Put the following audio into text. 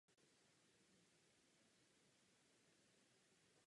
Devět let byla předsedkyní Švédského Červeného kříže.